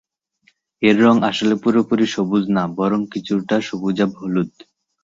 এর রঙ আসলে পুরোপুরি সবুজ না, বরং কিছুটা সবুজাভ হলুদ।